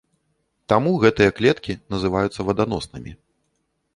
Таму гэтыя клеткі называюцца ваданоснымі.